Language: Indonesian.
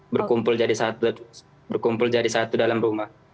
berkumpul jadi satu dalam rumah